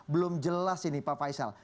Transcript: belum jelas ini pak faisal